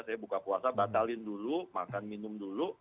saya buka puasa batalin dulu makan minum dulu